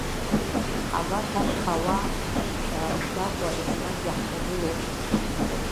Абарҭ ашьхауаа ҳцәымшәаӡакәа еснагь иаҳҿагылоуп!